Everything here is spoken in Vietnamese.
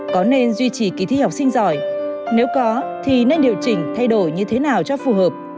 có nên duy trì kỳ thi học sinh giỏi nếu có thì nên điều chỉnh thay đổi như thế nào cho phù hợp